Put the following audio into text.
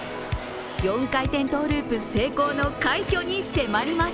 ４回転トゥループ成功の快挙に迫ります。